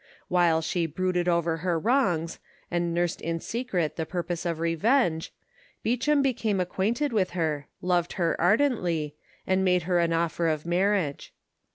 While she brooded over her wrongs, and nursed in secret the purpose of revenge, Beauchamp became acquainted with her, loved her ardently, and made her an offer of marriage.